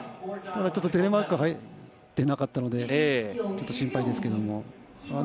ちょっとテレマーク入ってなかったのでちょっと心配ですけど。